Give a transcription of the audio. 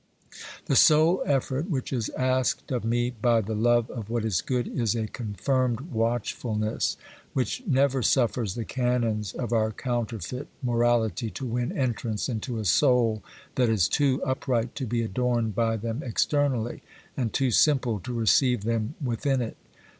The sole effort which is asked of me by the love of what is good, is a confirmed watchfulness which never suffers the canons of our counterfeit morahty to win entrance into a soul that is too upright to be adorned by them externally, and too simple to receive them within it.